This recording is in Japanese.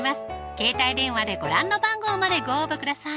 携帯電話でご覧の番号までご応募ください